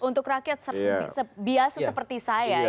untuk rakyat biasa seperti saya